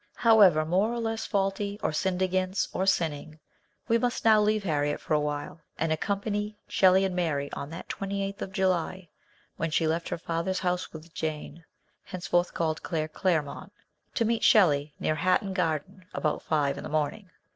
However more or less faulty, or sinned against, or sinning, we must now leave Harriet for a while and accompany Shelley and Mary on that 28th of July when she left her father's house with Jane, henceforth called " Claire " Clairmont, to meet Shelley near Hatton Garden about five in the morning.